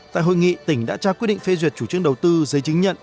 tại hội nghị tỉnh đã trao quyết định phê duyệt chủ trương đầu tư giấy chứng nhận